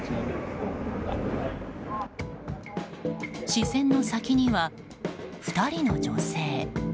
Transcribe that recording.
視線の先には２人の女性。